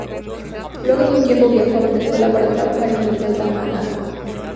Luego de un tiempo viajó a Venezuela para trabajar en el Hotel Tamanaco.